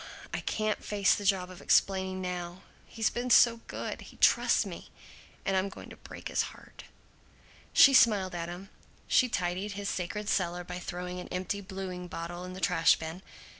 I can't face the job of explaining now. He's been so good. He trusts me. And I'm going to break his heart!" She smiled at him. She tidied his sacred cellar by throwing an empty bluing bottle into the trash bin.